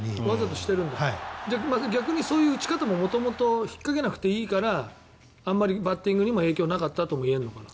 逆にそういう打ち方も引っかけなくていいからあんまりバッティングにも影響なかったとも言えるのかな。